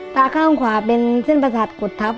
ตาข้างขวาเป็นเส้นประสาทกุดทับ